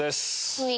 はい。